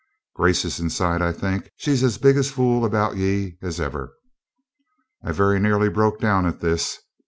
Gracey's inside, I think. She's as big a fool about ye as ever.' I very near broke down at this.